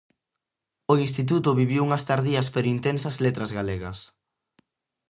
O instituto viviu unhas tardías pero intensas Letras Galegas.